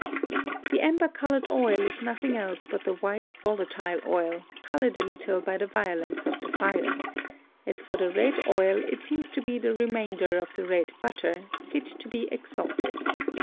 The Amber coloured Oil is nothing else but the white volatile Oil, coloured a little by the Violence of the Fire: As for the red Oil, it seems to be the Remainder of the red Butter, fit to be exalted.